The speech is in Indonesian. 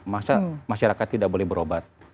masa masyarakat tidak boleh berobat